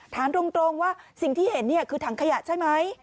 ถามตรงว่าสิ่งที่เห็นคือถังขยะใช่ไหม